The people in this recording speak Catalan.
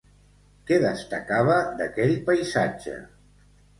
Què destacava d'aquell paisatge?